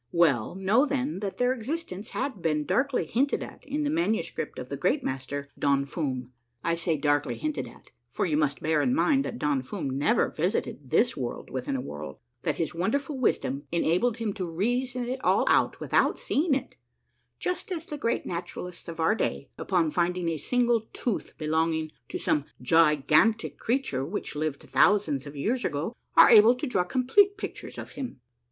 Well, know, then, that their existence had been darkly hinted at in the manuscript of the Great Master, Don Fum. I say darkly hinted at, for you must bear in mind that Don Fum never visited this World within a World; that his wonderful wisdom enabled him to reason it all out without see ing it, just as the great naturalists of our day, upon finding a single tooth belonging to some gigantic creature which lived thousands of years ago, are able to draw complete pictures of him.